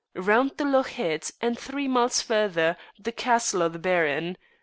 Round the loch head and three miles further the Castle o' the Baron.